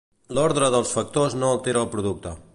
L'ordre dels factors no altera el producte.